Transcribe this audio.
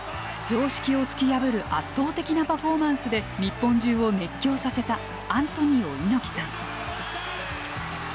常識を突き破る圧倒的なパフォーマンスで日本中を熱狂させたアントニオ猪木さん。